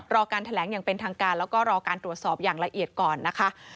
การแถลงอย่างเป็นทางการแล้วก็รอการตรวจสอบอย่างละเอียดก่อนนะคะ